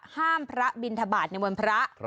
ห้ามพระบิณฑบาตในวันพระ